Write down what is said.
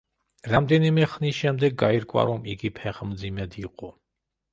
რამდენიმე ხნის შემდეგ გაირკვა, რომ იგი ფეხმძიმედ იყო.